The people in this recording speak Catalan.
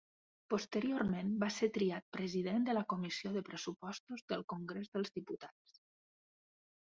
Posteriorment va ser triat President de la comissió de Pressupostos del Congrés dels Diputats.